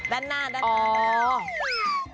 ด้านหน้าด้านหน้าอ๋อ